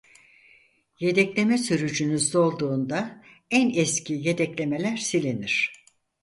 Yedekleme sürücünüz dolduğunda en eski yedeklemeler silinir.